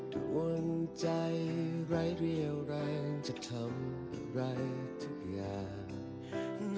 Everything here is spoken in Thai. หัวใจไร้เรี่ยวแรงจะทำอะไรทุกอย่าง